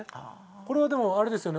これはでもあれですよね